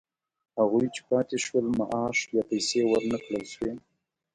هغوی چې پاتې شول معاش یا پیسې ورنه کړل شوې